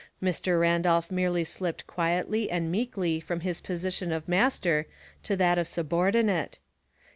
Mr. Randolph merely slipped quietly and meekly from his position of master to that of subordi nate.